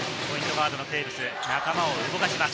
ガードのテーブス、仲間を動かします。